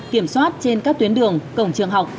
kiểm soát trên các tuyến đường cổng trường học